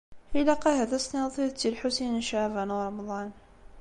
Ilaq ahat ad s-tiniḍ tidet i Lḥusin n Caɛban u Ṛemḍan.